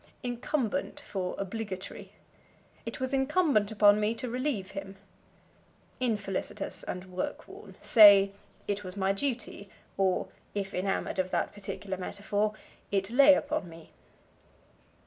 Incumbent for Obligatory. "It was incumbent upon me to relieve him." Infelicitous and work worn. Say, It was my duty, or, if enamored of that particular metaphor, It lay upon me.